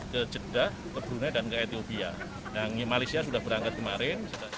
ke jeddah ke brunei dan ke ethiopia yang malaysia sudah berangkat kemarin